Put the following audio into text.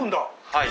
はい。